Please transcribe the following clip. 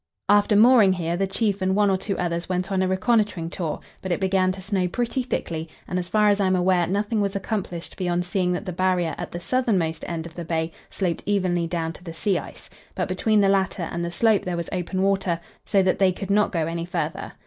After mooring here, the Chief and one or two others went on a reconnoitring tour; but it began to snow pretty thickly, and, as far as I am aware, nothing was accomplished beyond seeing that the Barrier at the southernmost end of the bay sloped evenly down to the sea ice; but between the latter and the slope there was open water, so that they could not go any farther.